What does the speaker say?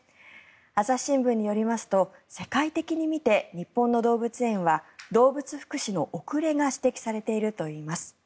朝日新聞によりますと世界的に見て日本の動物園は動物福祉の遅れが指摘されているといいます。